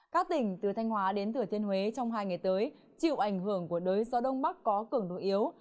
các tỉnh từ thanh hóa đến thừa thiên huế trong hai ngày tới chịu ảnh hưởng của đới gió đông bắc có cường độ yếu